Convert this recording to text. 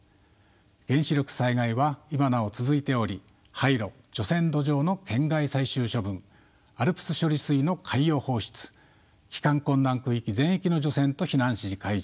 原子力災害は今なお続いており廃炉除染土壌の県外最終処分ＡＬＰＳ処理水の海洋放出帰還困難区域全域の除染と避難指示解除